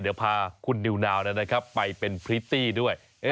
เดี๋ยวพาคุณนิวนาวไปเป็นพริตตี้ด้วย